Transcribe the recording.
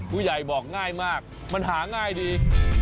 ผู้ใหญ่บอกง่ายมากมันหาง่ายดี